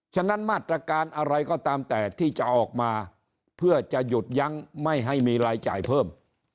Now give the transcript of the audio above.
ฉะนั้นมาตรการอะไรก็ตามแต่ที่จะออกมาเพื่อจะหยุดยั้งไม่ให้มีรายจ่ายเพิ่ม